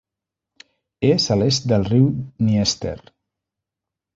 És a l'est del riu Dnièster.